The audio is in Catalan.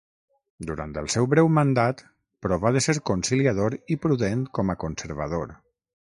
Durant el seu breu mandat, provà de ser conciliador i prudent com a conservador.